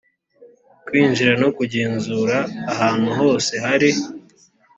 kwinjira no kugenzura ahantu hose hari